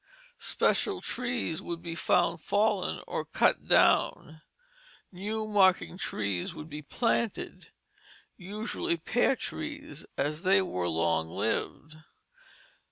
Special trees would be found fallen or cut down; new marking trees would be planted, usually pear trees, as they were long lived.